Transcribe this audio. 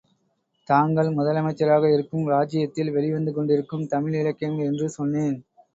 தாங்கள் முதலமைச்சராக இருக்கும் ராச்சியத்தில் வெளிவந்து கொண்டிருக்கும் தமிழ் இலக்கியங்கள் என்று சொன்னேன்.